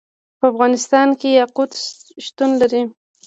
په افغانستان کې یاقوت شتون لري.